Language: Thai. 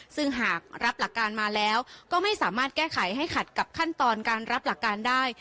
ซึ่งหากรับหลักการมาแล้วก็ไม่สามารถแก้ไขให้ขัดกับขั้นตอนการรับหลักการได้